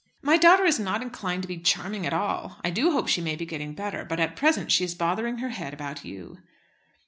"My daughter is not inclined to be charming at all. I do hope she may be getting better, but at present she is bothering her head about you."